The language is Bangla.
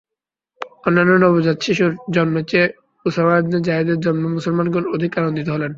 অন্যান্য নবজাত শিশুর জন্মের চেয়ে উসামা ইবনে যায়েদের জন্মে মুসলমানগণ অধিক আনন্দিত হলেন।